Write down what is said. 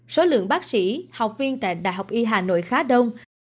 số lượng bác sĩ học viên tại đhy hà nội khá đông